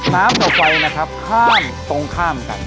น้ำเตาไฟนะครับข้างตรงข้างกัน